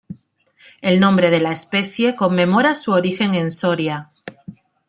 El nombre de la especie conmemora su origen en Soria.